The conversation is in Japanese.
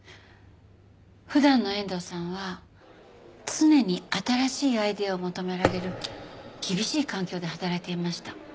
普段の遠藤さんは常に新しいアイデアを求められる厳しい環境で働いていました。